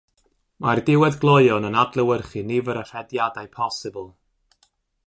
Mae'r diweddgloeon yn adlewyrchu nifer y rhediadau posibl.